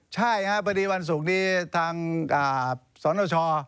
ใช่ครับพอดีวันศุกร์นี้ทางสนช